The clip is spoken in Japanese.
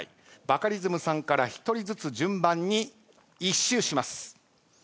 バカリズムさんから１人ずつ順番に１周します。